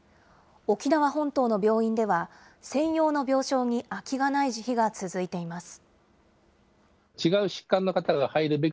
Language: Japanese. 沖縄本島の病院では、専用の病床に空きがない時期が続いています。